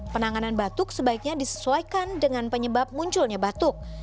penanganan batuk sebaiknya disesuaikan dengan penyebab munculnya batuk